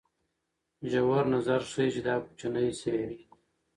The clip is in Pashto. ژور نظر ښيي چې دا کوچنۍ سیارې دي.